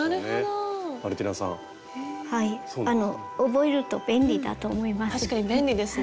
覚えると便利だと思います。